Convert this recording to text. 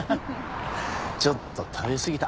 ちょっと食べすぎた。